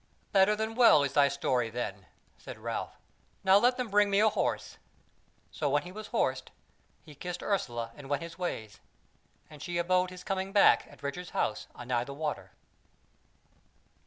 "Better than well is thy story then," said Ralph. "Now let them bring me a horse." So when he was horsed, he kissed Ursula and went his ways. And she abode his coming back at Richard's house anigh the water.